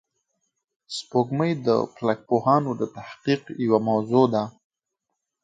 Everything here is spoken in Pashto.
سپوږمۍ د فلک پوهانو د تحقیق یوه موضوع ده